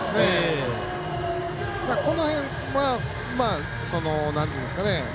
この辺はなんて言うんですかね